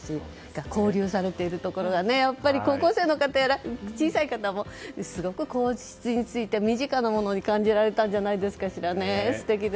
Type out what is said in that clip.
交流されているところがやっぱり高校生の方、小さい方もすごく皇室について身近なものに感じられたんじゃないかしら。